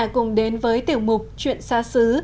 cùng đến với tiểu mục chuyện xa xứ